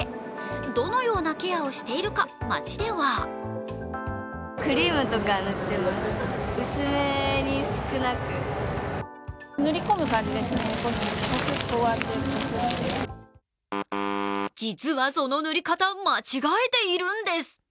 どのようなケアをしているか、街では実はその塗り方、間違えているんです。